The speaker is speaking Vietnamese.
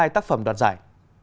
ba mươi hai tác phẩm đoạt giải